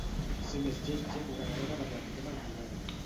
Ser més lletja que una garba de planter mal lligada.